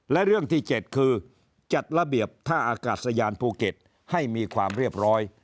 และเรื่องที่๗คือจัดระเบียบท่าอากาศยานภูเก็ตให้มีความเรียบร้อย